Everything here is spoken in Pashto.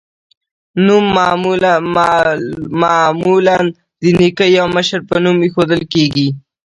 نوم معمولا د نیکه یا مشر په نوم ایښودل کیږي.